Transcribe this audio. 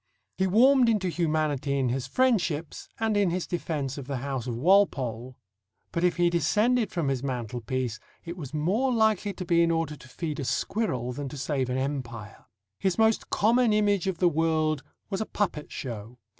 He warmed into humanity in his friendships and in his defence of the house of Walpole; but if he descended from his mantelpiece, it was more likely to be in order to feed a squirrel than to save an empire. His most common image of the world was a puppet show.